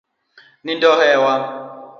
Nindo ohewa.